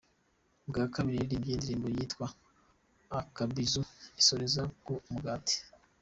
Bwa kabiri yaririmbye indirimbo yitwa ‘Akabizu’ asoreza ku ‘Umugati’.